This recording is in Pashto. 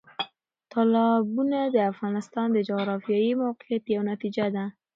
تالابونه د افغانستان د جغرافیایي موقیعت یو نتیجه ده.